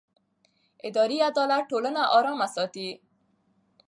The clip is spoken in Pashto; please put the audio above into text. اداري عدالت ټولنه ارامه ساتي